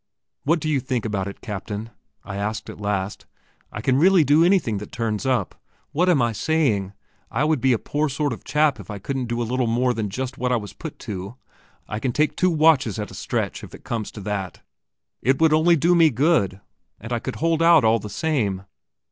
"What do you think about it, Captain?" I asked at last. "I can really do anything that turns up. What am I saying? I would be a poor sort of chap if I couldn't do a little more than just what I was put to. I can take two watches at a stretch, if it comes to that. It would only do me good, and I could hold out all the same."